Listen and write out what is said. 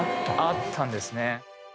あったんですね。